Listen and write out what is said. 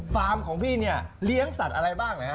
แผลงค์ของพี่เหลี้ยงสัตว์อะไรบ้าง